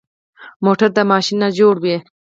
موټر د ماشین نه جوړ وي.